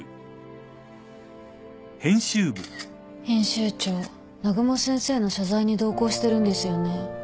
編集長南雲先生の謝罪に同行してるんですよね？